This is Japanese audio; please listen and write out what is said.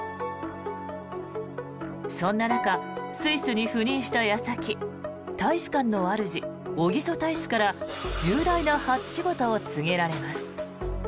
そんな中、スイスに赴任した矢先大使館のあるじ、小木曽大使から重大な初仕事を告げられます。